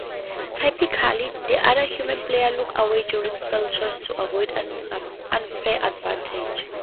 Typically, the other human players look away during spell choice to avoid unfair advantage.